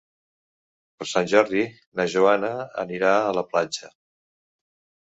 Per Sant Jordi na Joana anirà a la platja.